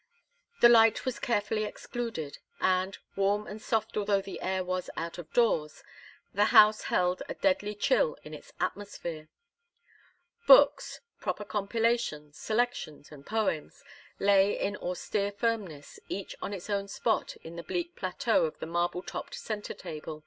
The light was carefully excluded, and, warm and soft although the air was out of doors, the house held a deadly chill in its atmosphere. Books proper compilations, selections, and poems lay in austere firmness, each on its own spot on the bleak plateau of the marble topped centre table.